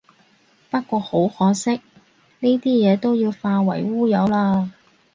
不過好可惜，呢啲嘢都要化為烏有喇